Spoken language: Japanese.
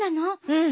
うん。